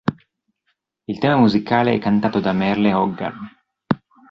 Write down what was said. Il tema musicale è cantato da Merle Haggard.